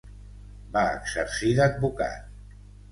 Va exercir d'advocat.